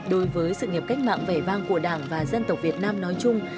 đối với sự nghiệp cách mạng vẻ vang của đảng và dân tộc việt nam nói chung